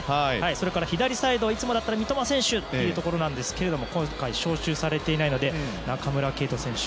それから左サイドいつもだったら三笘選手ですけど今回招集されていないので中村敬斗選手。